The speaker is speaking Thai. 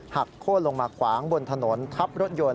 โค้นลงมาขวางบนถนนทับรถยนต์